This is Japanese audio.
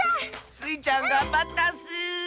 スイちゃんがんばったッス！